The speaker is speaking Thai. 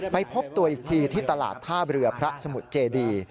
พบตัวอีกทีที่ตลาดท่าเรือพระสมุทรเจดี